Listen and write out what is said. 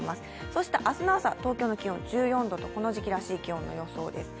そして明日の朝、東京の気温１４度とこの時期らしい気温の予想です。